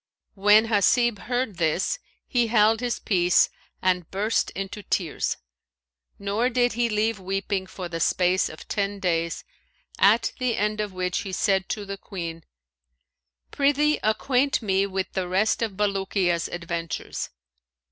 When Hasib heard this, he held his peace and burst into tears; nor did he leave weeping for the space of ten days, at the end of which time he said to the Queen, "Prithee acquaint me with the rest of Bulukiya's adventures."